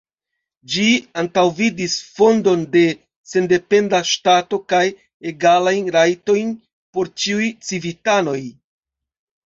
Ĝi antaŭvidis fondon de sendependa ŝtato kaj egalajn rajtojn por ĉiuj civitanoj.